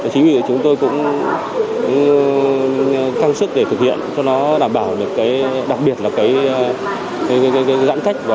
chính vì chúng tôi cũng căng sức để thực hiện cho nó đảm bảo được cái đặc biệt là cái giãn cách